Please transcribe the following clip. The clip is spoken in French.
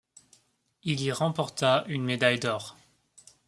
Il y remporta une médaille d'or.